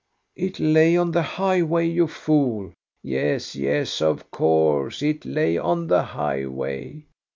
"" It lay on the highway, you fool. " "Yes, yes, of course; it lay on the highway.